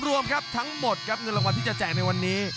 รวมครับทั้งหมดครับเงินรางวัลที่จะแจกในวันนี้